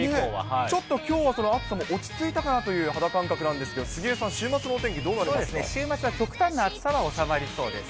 ちょっとその暑さも落ち着いたかなという肌感覚なんですけれども、杉江さん、週末のお天気、極端な暑さは収まりそうです。